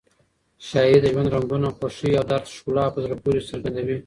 شاعري د ژوند رنګونه، خوښۍ او درد ښکلا په زړه پورې څرګندوي.